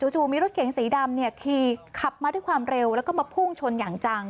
จู่มีรถเก๋งสีดำเนี่ยขี่ขับมาด้วยความเร็วแล้วก็มาพุ่งชนอย่างจัง